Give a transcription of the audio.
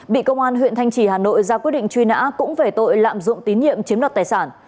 bị công an huyện thanh trì hà nội ra quyết định truy nã cũng về tội lạm dụng tín nhiệm chiếm đoạt tài sản